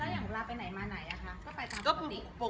แล้วอย่างเวลาไปไหนมาไหนอะคะก็ไปทางปกติ